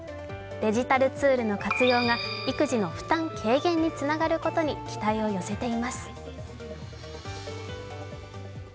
デジタルツールの活用が育児の負担軽減につながることに期待を寄せています。